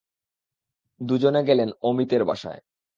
দুজনে গেলেন অমিতর বাসায়।